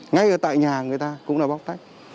ngay ở tại nhà người ta cũng là bóc tách